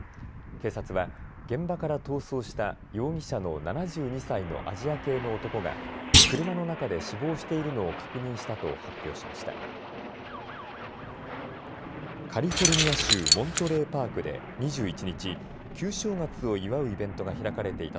警察は現場から逃走した容疑者の７２歳のアジア系の男が車の中で死亡しているのを確認したと発表しました。